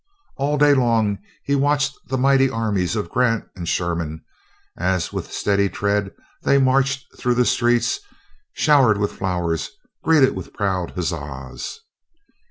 All day long he watched the mighty armies of Grant and Sherman, as with steady tread they marched through the streets, showered with flowers, greeted with proud huzzahs.